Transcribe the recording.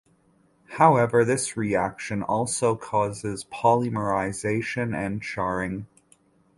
However this reaction also causes polymerization and charring.